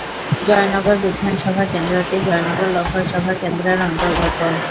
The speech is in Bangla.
জয়নগর বিধানসভা কেন্দ্রটি জয়নগর লোকসভা কেন্দ্রের অন্তর্গত।